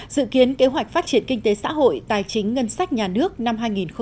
dự kiến kế hoạch phát triển kinh tế xã hội tài chính ngân sách nhà nước năm hai nghìn hai mươi